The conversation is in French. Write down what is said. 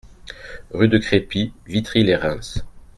Rue de Crépy, Witry-lès-Reims